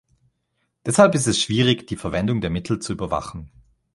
Deshalb ist es schwierig, die Verwendung der Mittel zu überwachen.